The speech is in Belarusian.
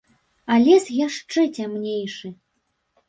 А лес яшчэ цямнейшы.